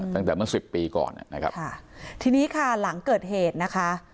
ตั้งแต่เมื่อสิบปีก่อนนะครับค่ะทีนี้ค่ะหลังเกิดเหตุนะคะ